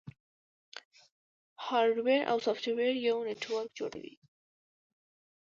هارډویر او سافټویر یو نیټورک جوړوي.